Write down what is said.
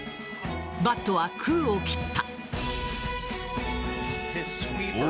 バットは空を切った。